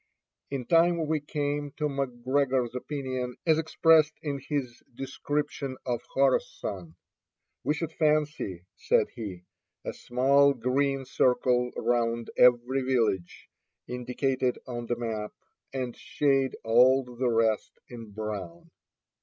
In time we came to McGregor's opinion as expressed in his description of Khorassan. "We should fancy," said he, "a small green circle round every village indicated on the map, and shade all the rest in brown."